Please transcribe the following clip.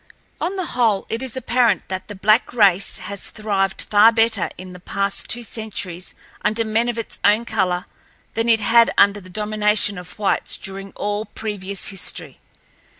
On the whole, it is apparent that the black race has thrived far better in the past two centuries under men of its own color than it had under the domination of whites during all previous history.